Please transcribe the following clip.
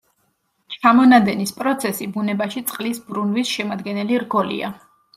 ჩამონადენის პროცესი ბუნებაში წყლის ბრუნვის შემადგენელი რგოლია.